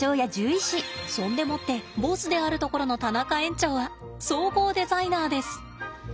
そんでもってボスであるところの田中園長は総合デザイナーです。